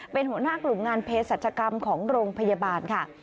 เป็นหัวหน้ากลุ่มงานเพศรัชกรรมของโรงพยาบาลค่ะ